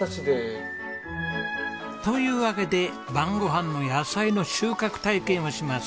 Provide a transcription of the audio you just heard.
というわけで晩ご飯の野菜の収穫体験をします。